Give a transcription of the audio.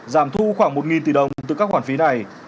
giảm thu khoảng một tỷ đồng từ các khoản phí này